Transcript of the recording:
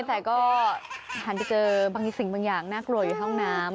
แต่ก็หันไปเจอบางสิ่งบางอย่างน่ากลัวอยู่ห้องน้ำ